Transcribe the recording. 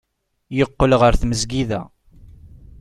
Yeqqel ɣer tmesgida.